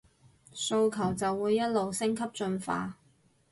訴求就會一路升級進化